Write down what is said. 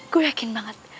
gue yakin banget